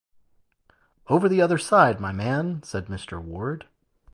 "Over the other side, my man," said Mr. Ward.